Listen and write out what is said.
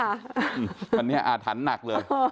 อันนี้อาถรรพ์หนักเลย